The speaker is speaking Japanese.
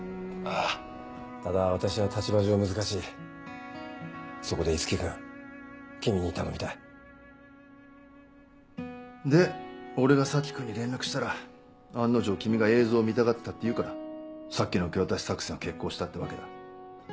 ただ私は立場上難しいそこでいつき君君に頼みたいで俺が佐木君に連絡したら案の定君が映像を見たがってたって言うからさっきの受け渡し作戦を決行したってわけだ。